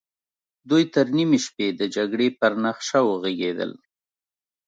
دوی تر نيمې شپې د جګړې پر نخشه وغږېدل.